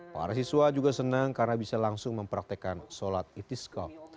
para siswa juga senang karena bisa langsung mempraktekan sholat itiskoh